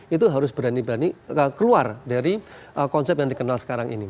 itu harus berani berani keluar dari konsep yang dikenal sekarang ini